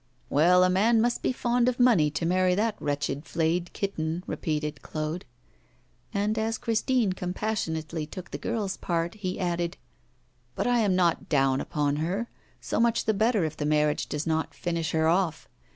'Well, a man must be fond of money to marry that wretched flayed kitten,' repeated Claude. And as Christine compassionately took the girl's part, he added: 'But I am not down upon her. So much the better if the marriage does not finish her off.